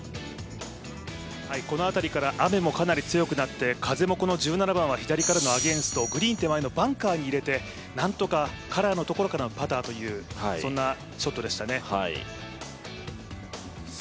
この辺りから雨もかなり強くなって風もこの１７番は左からのアゲンストグリーン手前のバンカーに入れて、なんとかカラーのところからのパターという、そんなショットでしたね。